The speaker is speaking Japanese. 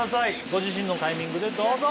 ご自身のタイミングでどうぞ！